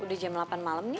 udah jam delapan malam nih